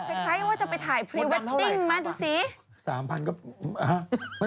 คล้ายว่าจะไปถ่ายพรีเวดดิ้งไหมดูสิ